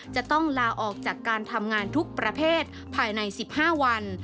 จะต้องลาออกจากการทำงานทุกประเภทภายใน๑๕วัน